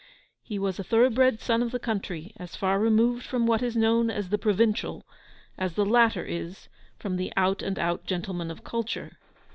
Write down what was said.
He was a thoroughbred son of the country, as far removed from what is known as the provincial, as the latter is from the out and out gentleman of culture.